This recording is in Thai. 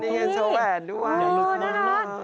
มีเงินเช้าแบบด้วยอืมนะคะ